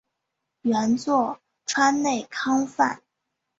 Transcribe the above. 原作川内康范。